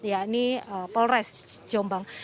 yang kedua ini polres jombang